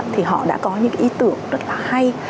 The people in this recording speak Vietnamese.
thì họ đã có những ý tưởng rất là hay